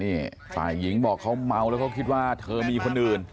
นี่ฝ่ายหญิงบอกเขาเมาแล้วเขาคิดว่าเธอมีคนอื่น